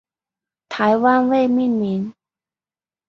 台湾未命名。